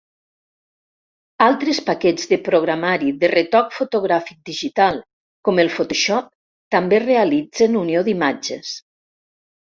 Altres paquets de programari de retoc fotogràfic digital com el Photoshop també realitzen unió d'imatges.